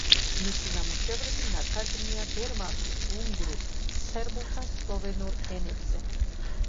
მისი ნამუშევრები ნათარგმნია გერმანულ, უნგრულ, სერბულ და სლოვენურ ენებზე.